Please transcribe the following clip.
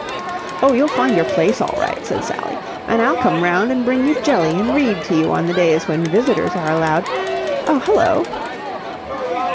"Oh, you'll find your place all right," said Sally. "And I'll come round and bring you jelly and read to you on the days when visitors are allowed... Oh, hullo."